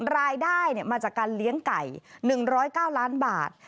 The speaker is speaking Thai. รายได้เนี่ยมาจากการเลี้ยงไก่หนึ่งร้อยเก้าล้านบาท